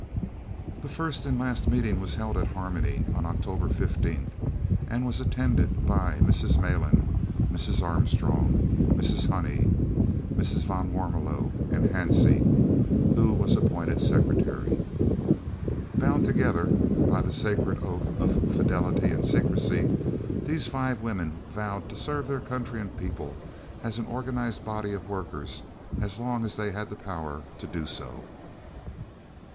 The first and last meeting was held at Harmony on October 15th and was attended by Mrs. Malan, Mrs. Armstrong, Mrs. Honey, Mrs. van Warmelo, and Hansie, who was appointed secretary. Bound together by the sacred oath of fidelity and secrecy, these five women vowed to serve their country and people, as an organised body of workers, as long as they had the power to do so.